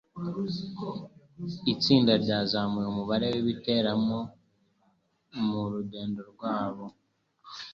Itsinda ryazamuye umubare wibitaramo murugendo rwabo.